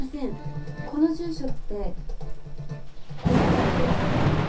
この住所ってこの辺りで合ってます？